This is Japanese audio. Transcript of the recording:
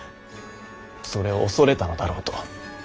それを恐れたのだろうと。